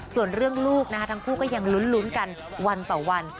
ส่วนเรื่องลูกทั้งคู่ก็ยังลุ้นกันวันต่อวัน